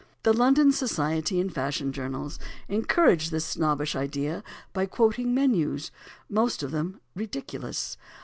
The London society and fashion journals encourage this snobbish idea by quoting menus, most of them ridiculous.